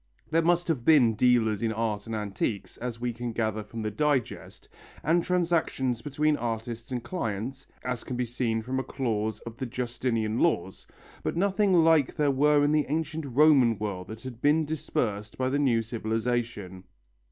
There must have been dealers in art and antiques, as we can gather from the Digest, and transactions between artists and clients, as can be seen from a clause of the Justinian laws, but nothing like there were in the ancient Roman world that had been dispersed by the new civilization.